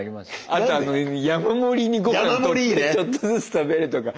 あと山盛りに御飯取ってちょっとずつ食べるとか。